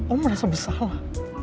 om merasa bersalah